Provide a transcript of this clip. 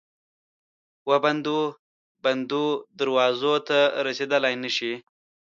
وبندو، بندو دروازو ته رسیدلای نه شي